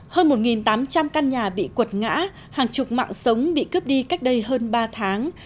hơn một tám trăm linh căn nhà bị quật ngã hàng chục mạng sống bị cướp đi cách đây hơn ba tháng